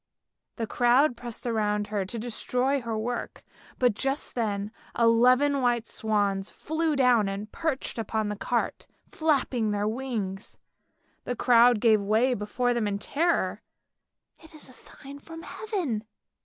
" The crowd pressed around her to destroy her work, but just then eleven white swans flew down and perched upon the cart flapping their wings. The crowd gave way before them in terror. "It is a sign from Heaven!